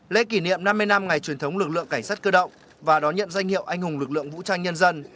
lễ kỷ niệm năm mươi năm ngày truyền thống lực lượng cảnh sát cơ động và đón nhận danh hiệu anh hùng lực lượng vũ trang nhân dân